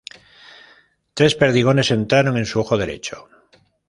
Tres perdigones entraron en su ojo derecho.